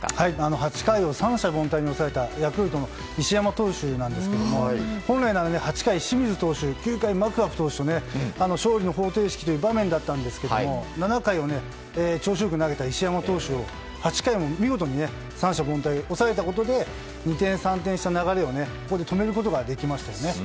８回を三者凡退に抑えたヤクルトの石山投手なんですけど本来なら８回、清水投手９回マクガフ投手という勝利の方程式という場面だったんですけど、７回を調子良く投げた石山投手を８回も見事に三者凡退に抑えたことで二転三転した流れをここで止めることができましたね。